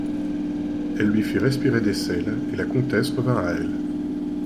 Elle lui fit respirer des sels, et la comtesse revint à elle.